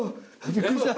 びっくりした。